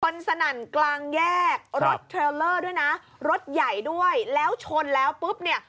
สนั่นกลางแยกรถเทรลเลอร์ด้วยนะรถใหญ่ด้วยแล้วชนแล้วปุ๊บเนี่ย